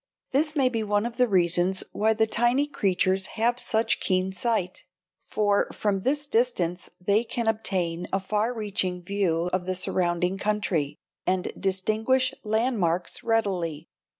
This may be one of the reasons why the tiny creatures have such keen sight; for from this distance they can obtain a far reaching view of the surrounding country and distinguish landmarks readily.